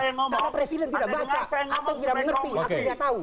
karena presiden tidak baca atau tidak mengerti atau tidak tahu